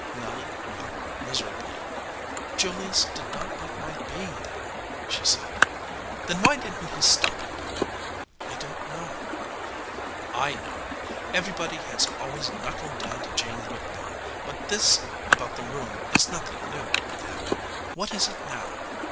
Nelly nodded miserably. "Julius did not like my being there," she said. "Then why didn t he stop it?" "I don t know." "I know. Everybody has always knuckled down to Jane Whittemore. But this about the room is nothing new, then. What is it now?"